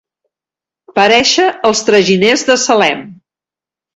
Parèixer els traginers de Salem.